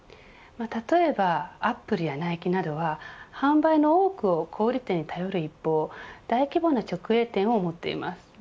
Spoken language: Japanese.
例えばアップルやナイキなどは販売の多くを小売り店に頼る一方大規模な直営店を持っています。